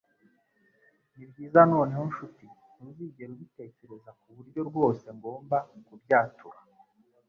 Nibyiza noneho nshuti ntuzigera ubitekereza kuburyo rwose ngomba kubyatura